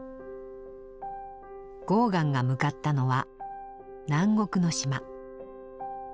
ゴーガンが向かったのは南国の島。